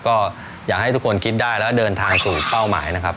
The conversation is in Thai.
ก็อยากให้ทุกคนคิดได้แล้วเดินทางสู่เป้าหมายนะครับ